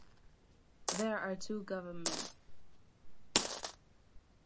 There are two Govt.